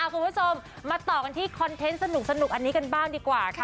คุณผู้ชมมาต่อกันที่คอนเทนต์สนุกอันนี้กันบ้างดีกว่าค่ะ